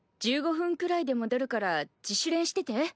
１５分くらいで戻るから自主練してて。